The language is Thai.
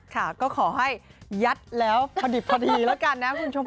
ค่ะก็ขอให้ยัดแล้วพอดิบพอดีแล้วกันนะคุณผู้ชม